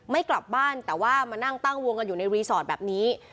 ไม่กลับบ้านแต่ว่ามานั่งตั้งวงกันอยู่ในรีสอร์ทแบบนี้